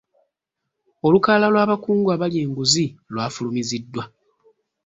Olukalala lw'abakungu abalya enguzi lwafulumiziddwa.